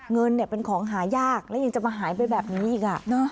เงินเป็นของหายากและยังจะมาหายไปแบบนี้อีก